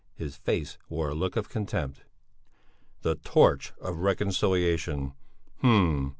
His face wore a look of contempt. "The Torch of Reconciliation! Hm!